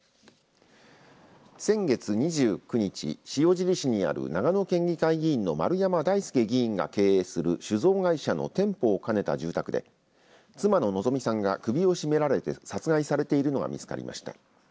先月２９日塩尻市にある長野県議会議員の丸山大輔議員が経営する酒造会社の店舗を兼ねた住宅で妻の希美さんが首を絞められて殺害されているのが見つかりました。